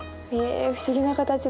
不思議な形だね。